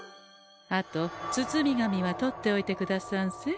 あと包み紙は取っておいてくださんせ。